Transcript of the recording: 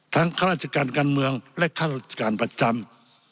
ข้าราชการการเมืองและข้าราชการประจำ